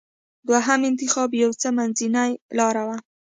دوهم انتخاب یو څه منځۍ لاره وه.